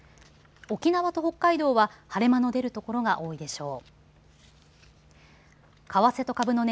沖縄と北海道は晴れ間の出る所が多いでしょう。